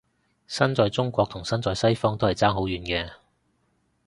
身在中國同身在西方都係爭好遠嘅